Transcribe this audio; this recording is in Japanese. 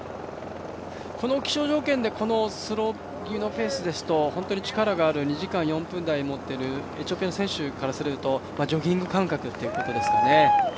この気象条件でこのスローペースですと本当に力のある２時間４分台のエチオピアの選手からするとジョギング感覚というところですかね。